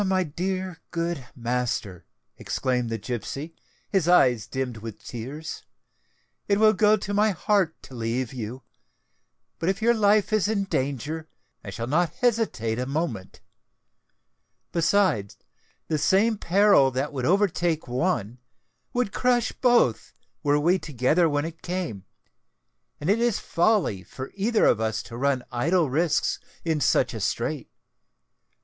"My dear, good master," exclaimed the gipsy, his eyes dimmed with tears, "it will go to my heart to leave you; but if your life is in danger, I shall not hesitate a moment. Besides, the same peril that would overtake one, would crush both, were we together when it came; and it is folly for either of us to run idle risks in such a strait.